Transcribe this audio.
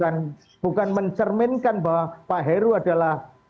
dan pak heru bukan mencerminkan bahwa pak heru adalah unsur yang terbaik